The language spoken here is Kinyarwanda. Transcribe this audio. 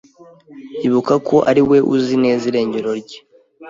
Ibuka ko ari we uzi neza irengero ryo,